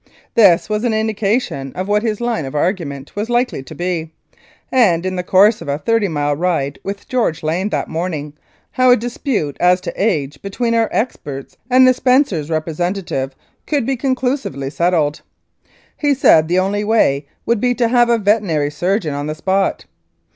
This was an indication of what his line of argument was likely to be, and, in the course of a thirty mile ride with George Lane that morning, I asked him how a dispute as to age between our experts and the Spencers' representatives could be conclusively settled. He said the only way would be to have a veterinary surgeon on the spot.